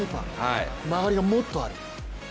曲がりがもっとある？